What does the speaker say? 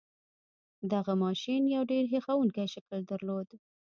دغه ماشين يو ډېر هیښوونکی شکل درلود.